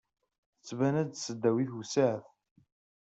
Tettban-as-d tesdawit wessiɛet.